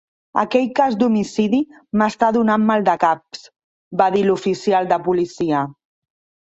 "Aquell cas d'homicidi m'està donant maldecaps", va dir l'oficial de policia.